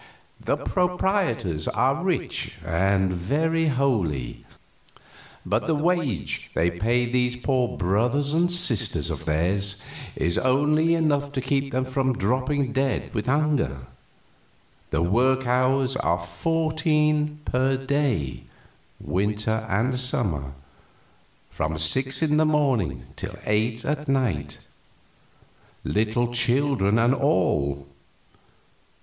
The proprietors are rich, and very holy; but the wage they pay to these poor brothers and sisters of theirs is only enough to keep them from dropping dead with hunger. The work hours are fourteen per day, winter and summer from six in the morning till eight at night little children and all.